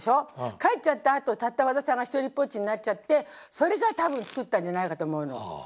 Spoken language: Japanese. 帰っちゃったあとたった和田さんが独りぽっちになっちゃってそれで多分作ったんじゃないかと思うの。